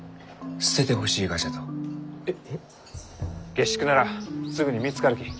下宿ならすぐに見つかるき。